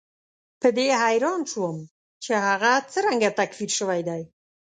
په دې حیران شوم چې هغه څرنګه تکفیر شوی دی.